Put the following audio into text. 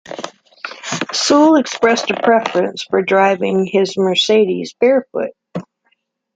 Sewell expressed a preference for driving his Mercedes barefoot.